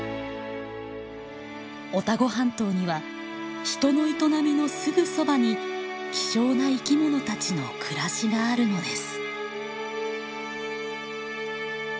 オタゴ半島には人の営みのすぐそばに希少な生きものたちの暮らしがあるのです。